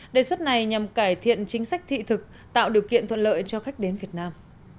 đề xuất này nhằm cải thiện chính sách thị thực tạo điều kiện thuận lợi cho khách đến việt nam